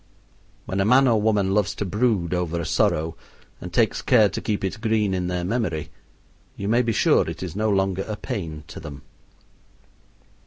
When a man or woman loves to brood over a sorrow and takes care to keep it green in their memory, you may be sure it is no longer a pain to them.